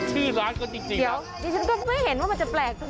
ชื่อร้านก็จริงเดี๋ยวฉันก็ไม่เห็นว่ามันจะแปลก